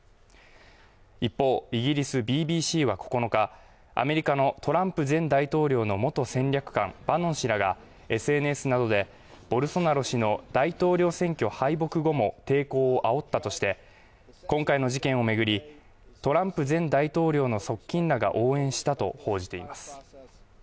一方イギリスＢＢＣは９日アメリカのトランプ前大統領の元戦略官バノン氏らがＳＮＳなどでボルソナロ氏の大統領選挙敗北後も抵抗をあおったとして今回の事件を巡りトランプ前大統領の側近らが応援したと報じています